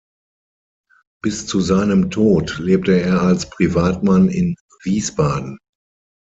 Bis zu seinem Tod lebte er als Privatmann in Wiesbaden.